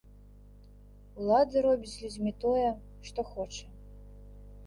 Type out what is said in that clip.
Улада робіць з людзьмі тое, што хоча.